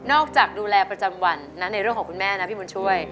จากดูแลประจำวันนะในเรื่องของคุณแม่นะพี่บุญช่วย